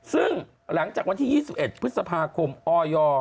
ซึ่งหลังจากวันที่๒๑พฤษภาคมออย